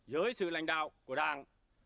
giới sự lãnh đạo của đảng